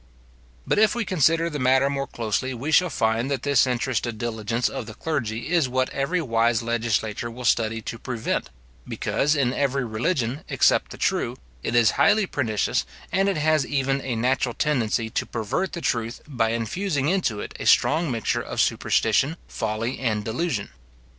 "But if we consider the matter more closely, we shall find that this interested diligence of the clergy is what every wise legislator will study to prevent; because, in every religion except the true, it is highly pernicious, and it has even a natural tendency to pervert the truth, by infusing into it a strong mixture of superstition, folly, and delusion.